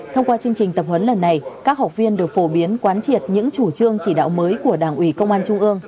thông qua chương trình tập huấn lần này các học viên được phổ biến quán triệt những chủ trương chỉ đạo mới của đảng ủy công an trung ương